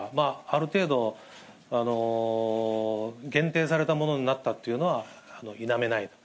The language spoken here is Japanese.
ある程度、限定されたものになったというのは否めない。